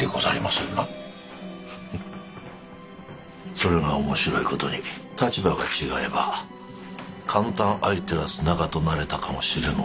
フフッそれが面白い事に立場が違えば肝胆相照らす仲となれたかもしれぬ男でな。